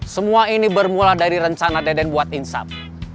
semua ini bermula dari rencana deden buat insap